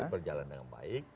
berjalan dengan baik